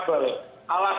salah satu variable